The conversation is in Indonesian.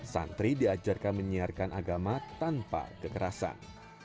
santri diajarkan menyiarkan agama tanpa kekerasan